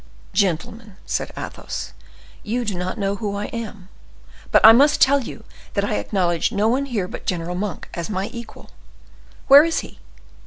"Gentlemen," said Athos, "you do not know who I am; but I must tell you that I acknowledge no one here but General Monk as my equal. Where is he?